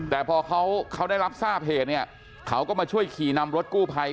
แต่พอเขาได้รับทราบเหตุเนี่ยเขาก็มาช่วยขี่นำรถกู้ภัย